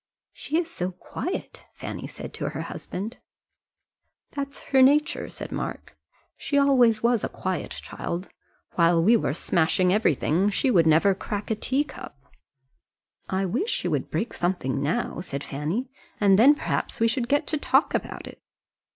"She is so quiet," Fanny said to her husband. "That's her nature," said Mark. "She always was quiet as a child. While we were smashing everything, she would never crack a teacup." "I wish she would break something now," said Fanny, "and then perhaps we should get to talk about it."